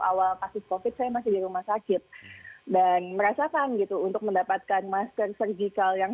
awal kasus covid saya masih di rumah sakit dan merasakan gitu untuk mendapatkan masker sergical yang